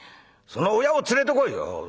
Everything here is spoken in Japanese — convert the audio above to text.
「その親を連れてこい」。